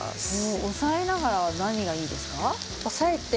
押さえながら何がいいんですか？